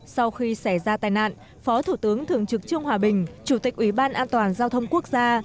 sau khi xảy ra tai nạn phó thủ tướng thường trực trương hòa bình chủ tịch ủy ban an toàn giao thông quốc gia